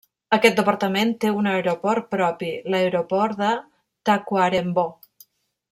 Aquest departament té un aeroport propi, l'aeroport de Tacuarembó.